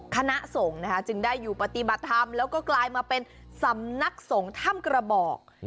คณะสงฆ์นะคะจึงได้อยู่ปฏิบัติธรรมแล้วก็กลายมาเป็นสำนักสงฆ์ถ้ำกระบอก